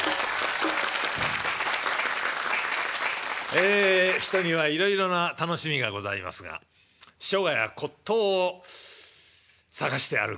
え人にはいろいろな楽しみがございますが書画や骨とうを探して歩く